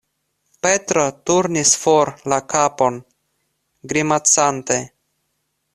Petro turnis for la kapon, grimacante.